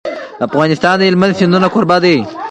افغانستان د هلمند سیند کوربه دی.